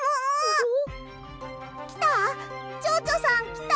きた？